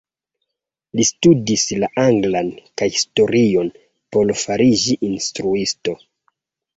Li studis la anglan kaj historion por fariĝi instruisto.